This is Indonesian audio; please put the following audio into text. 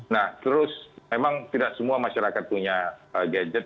nah terus memang tidak semua masyarakat punya gadget